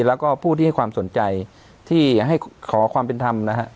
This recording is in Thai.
แล้วก็ผู้ที่ให้ความสนใจที่ให้ขอความเป็นธรรมนะฮะ